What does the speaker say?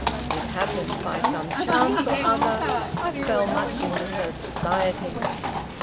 It happened by some chance or other I fell much into her society.